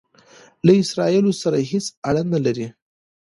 له اسراییلو سره هیڅ اړه نه لري.